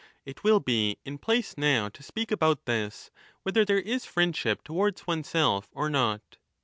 15 It will be in place now to speak about this, whether there is friendship towards oneself or not.